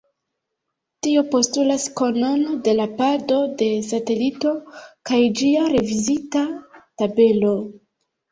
Tio postulas konon de la pado de satelito kaj ĝia revizita tabelo.